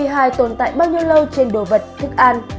sars cov hai tồn tại bao nhiêu lâu trên đồ vật thức ăn